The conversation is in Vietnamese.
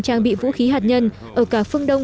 trang bị vũ khí hạt nhân ở cả phương đông